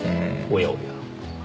おやおや。